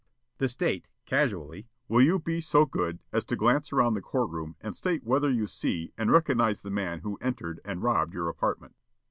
The State, casually: "Will you be so good as to glance around the court room and state whether you see and recognize the man who entered and robbed your apartment?"